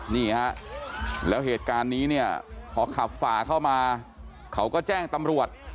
นี่ฮะแล้วเหตุการณ์นี้เนี่ยพอขับฝ่าเข้ามาเขาก็แจ้งตำรวจ